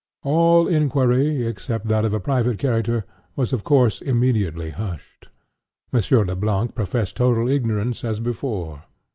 All inquiry, except that of a private character, was of course immediately hushed. Monsieur Le Blanc professed total ignorance, as before.